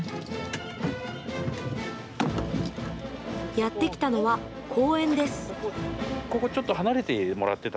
やってきたのは公園です。